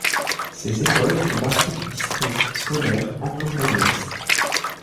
Ces écoles font partie du district scolaire Anglophone West.